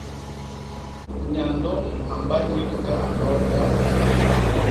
Nyandôm a mba nyik ta a nnol i hyandi.